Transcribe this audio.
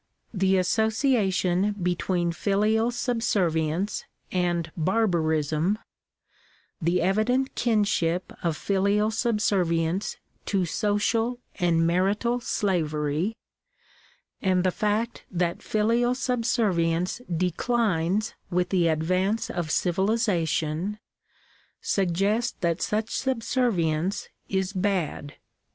The association between filial subservience and barbarism — the evident kinship of filial subservience to social and marital slavery — and the fact that filial subservience declines with the advance of civilization, suggest that such subservience is bad.